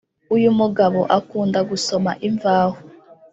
uyu mugabo akunda gusoma imvaho